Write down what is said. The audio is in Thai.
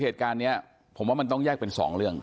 เหตุการณ์นี้ผมว่ามันต้องแยกเป็น๒เรื่อง